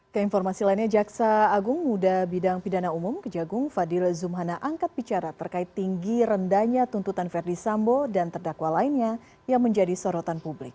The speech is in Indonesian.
keinformasi lainnya jaksa agung muda bidang pidana umum kejagung fadil zumhana angkat bicara terkait tinggi rendahnya tuntutan verdi sambo dan terdakwa lainnya yang menjadi sorotan publik